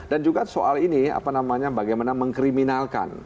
dan juga soal ini apa namanya bagaimana mengkriminalkan